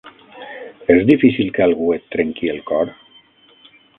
És difícil que algú et trenqui el cor?